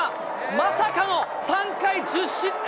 まさかの３回１０失点。